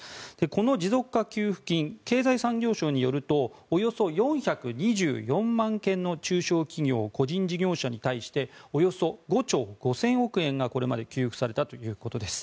この持続化給付金経済産業省によるとおよそ４２４万件の中小企業個人事業者に対しておよそ５兆５０００億円がこれまで給付されたということです。